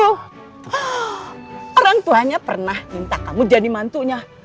orangtuanya pernah minta kamu jadi mantunya